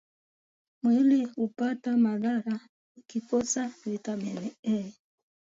mwili huapata madhara ikikosa viatamin A